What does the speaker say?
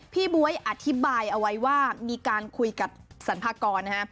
บ๊วยอธิบายเอาไว้ว่ามีการคุยกับสรรพากรนะฮะ